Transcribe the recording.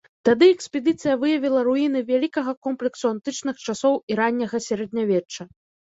Тады экспедыцыя выявіла руіны вялікага комплексу антычных часоў і ранняга сярэднявечча.